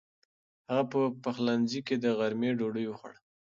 هغه په پخلنځي کې د غرمې ډوډۍ خوړه.